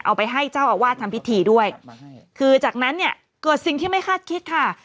ไปให้เจ้าอาวาสทำพิธีด้วยคือจากนั้นเนี่ยเกิดสิ่งที่ไม่คาดคิดค่ะ